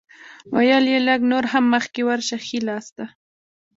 ویل یې لږ نور هم مخکې ورشه ښی لاسته.